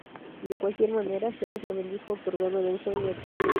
De cualquier manera, Zeus lo bendijo otorgándole un sueño eterno.